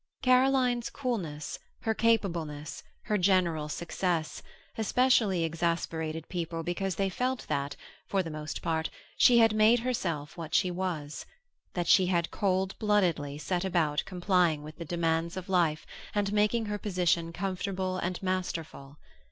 Caroline's coolness, her capableness, her general success, especially exasperated people because they felt that, for the most part, she had made herself what she was; that she had cold bloodedly set about complying with the demands of life and making her position comfortable and masterful.